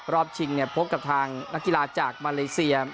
รอบชิงพบกับทางนักกีฬาจากมาเลเซีย